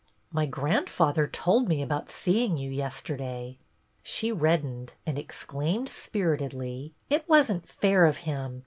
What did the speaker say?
" My grandfather told me about seeing you yesterday." She reddened and exclaimed spiritedly, — "It wasn't fair of him!